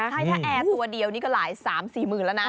ใช่ถ้าแอร์ตัวเดียวนี่ก็หลาย๓๔๐๐๐แล้วนะ